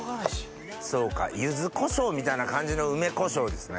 柚子こしょうみたいな感じの梅こしょうですね。